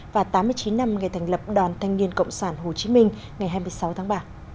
và tám mươi chín năm ngày thành lập đoàn thanh niên cộng sản hồ chí minh ngày hai mươi sáu tháng ba